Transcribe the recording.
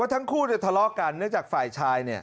ทั้งคู่ทะเลาะกันเนื่องจากฝ่ายชาย